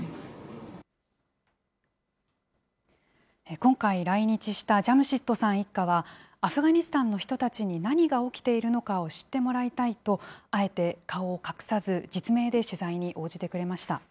今回、来日したジャムシッドさん一家は、アフガニスタンの人たちに何が起きているのかを知ってもらいたいと、あえて顔を隠さず、実名で取材に応じてくれました。